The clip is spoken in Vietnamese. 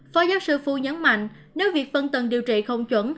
phó giáo sư phu nhấn mạnh nếu việc phân tầng điều trị không chuẩn